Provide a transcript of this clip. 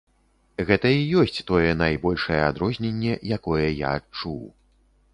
Гэта і ёсць тое найбольшае адрозненне, якое я адчуў.